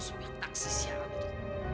supil taksi sialan itu